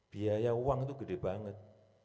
biaya uang itu gede banget